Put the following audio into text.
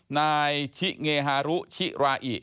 นายชิเงฮารุชิราอิ